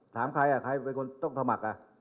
ถามใครใครเป็นคนต้องสมัคร